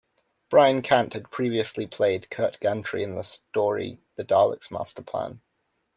Brian Cant had previously played Kert Gantry in the story "The Daleks' Master Plan".